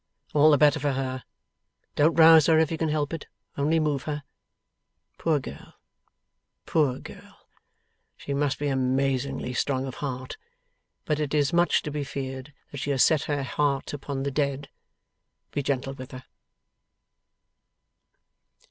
All the better for her! Don't rouse her, if you can help it; only move her. Poor girl, poor girl! She must be amazingly strong of heart, but it is much to be feared that she has set her heart upon the dead. Be gentle with her.